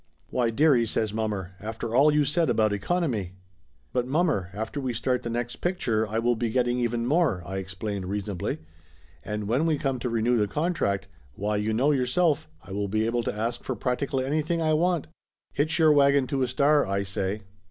"Why, dearie !" says mommer. "After all you said about economy !" Laughter Limited 197 "But, mommer, after we start the next picture I will be getting even more !" I explained reasonably. "And when we come to renew the contract, why you know yourself, I will be able to ask for practically anything I want. Hitch your wagon to a star, I say."